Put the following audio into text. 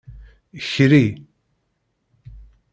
Kri.